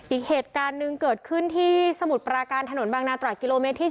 อีกเหตุการณ์หนึ่งเกิดขึ้นที่สมุทรปราการถนนบางนาตรากิโลเมตรที่๑